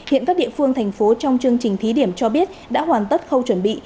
hiện các địa phương thành phố trong chương trình thí điểm cho biết đã hoàn tất khâu chuẩn bị